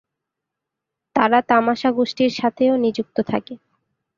তারা তামাশা গোষ্ঠীর সাথেও নিযুক্ত থাকে।